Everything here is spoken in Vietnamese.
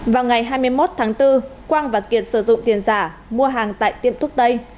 vào ngày hai mươi một tháng bốn quang và kiệt sử dụng tiền giả mua hàng tại tiệm thuốc tây